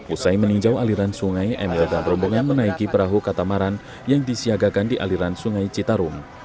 usai meninjau aliran sungai emil dan rombongan menaiki perahu katamaran yang disiagakan di aliran sungai citarum